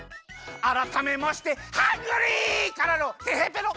あらためましてハングリー！からのてへぺろ！